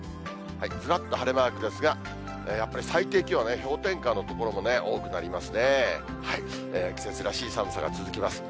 ずらっと晴れマークですが、やっぱり最低気温はね、氷点下の所もね、多くなりますね。